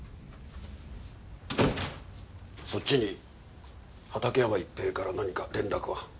そっちに畑山逸平から何か連絡は？